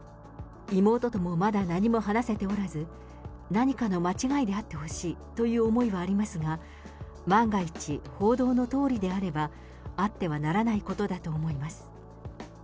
妹ともまだ何も話せておらず、何かの間違いであってほしいという思いがありますが、万が一、報道のとおりであれば、あってはならないことだと思います。